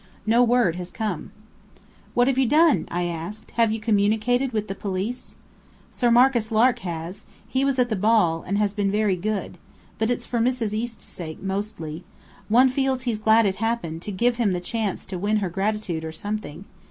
No word has come." "What have you done?" I asked. "Have you communicated with the police?" "Sir Marcus Lark has. He was at the ball, and has been very good. But it's for Mrs. East's sake, mostly. One feels he's glad it happened, to give him the chance to win her gratitude or something.